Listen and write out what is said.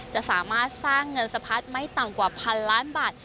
จะสามารถสร้างเงินสะพัดไม่ต่ำกว่าพันล้านบาท